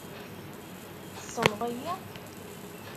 Tessneḍ-iyi?